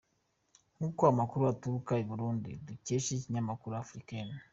Nk’uko amakuru aturuka i Burundi dukesha ikinyamakuru Afrifame.